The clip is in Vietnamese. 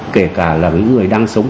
kể cả là những người đang sống